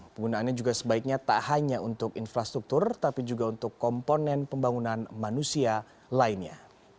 penggunaannya juga sebaiknya tak hanya untuk infrastruktur tapi juga untuk komponen pembangunan manusia lainnya